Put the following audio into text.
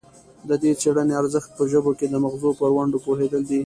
د دې څیړنې ارزښت په ژبه کې د مغزو پر ونډه پوهیدل دي